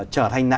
trở thành nạn